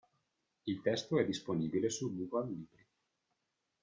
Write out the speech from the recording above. Il testo è disponibile su "Google libri"..